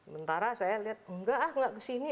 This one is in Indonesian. bentar saya lihat enggak ah enggak ke sini